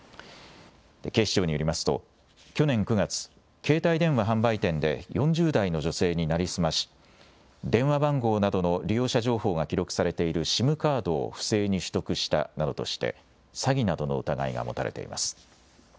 警視庁によりますと去年９月、携帯電話販売店で４０代の女性に成り済まし電話番号などの利用者情報が記録されているＳＩＭカードを不正に取得したなどとして詐欺などの疑いが持たれています。